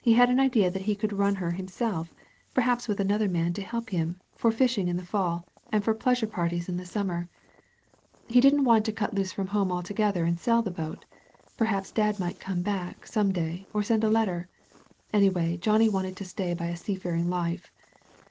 "He had an idea that he could run her himself, perhaps with another man to help him, for fishing in the fall, and for pleasure parties in the summer. 254 SALVAGE POINT He didn't want to cut loose from home altogether and sell the boat. Perhaps Dad might come back, some day, or send a letter. Anyway Johnny wanted to stay by a seafaring life.